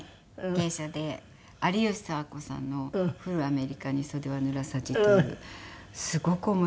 芸者で有吉佐和子さんの『ふるあめりかに袖はぬらさじ』というすごく面白い戯曲で。